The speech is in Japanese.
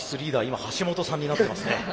今橋本さんになってますね。